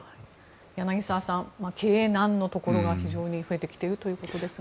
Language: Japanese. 柳澤さん経営難のところが非常に増えてきているというところですが。